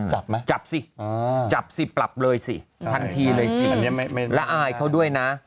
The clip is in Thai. จับไหมจับสิจับสิปรับเลยสิทันทีเลยสิอันนี้ไม่ละอายเขาด้วยนะ